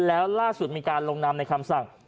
แล้วล่าสุดมีการลงนามในคำสั่ง